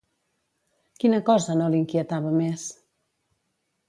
Quina cosa no l'inquietava més?